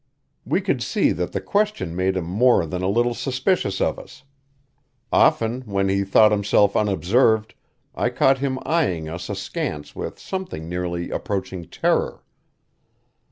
We could see that the question made him more than a little suspicious of us; often, when he thought himself unobserved, I caught him eyeing us askance with something nearly approaching terror.